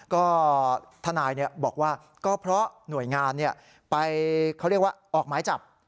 ก็ทนายบอกว่าก็เพราะหน่วยงานไปเขาเรียกว่าออกหมายจับ